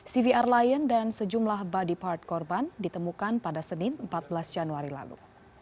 cvr lion dan sejumlah body part korban ditemukan pada senin empat belas januari lalu